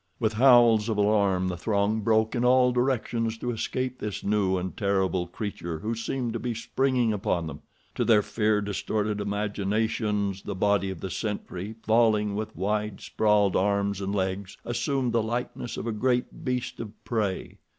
With howls of alarm the throng broke in all directions to escape this new and terrible creature who seemed to be springing upon them. To their fear distorted imaginations the body of the sentry, falling with wide sprawled arms and legs, assumed the likeness of a great beast of prey.